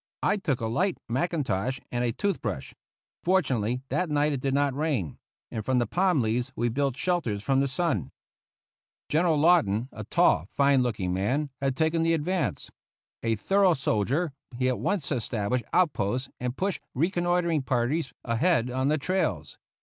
I took a light mackintosh and a tooth brush. Fortunately, that night it did not rain; and from the palm leaves we built shelters from the sun. General Lawton, a tall, fine looking man, had taken the advance. A thorough soldier, he at once established outposts and pushed reconnoitring parties ahead on the trails.